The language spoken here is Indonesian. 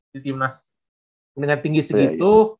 di tim nas dengan tinggi segitu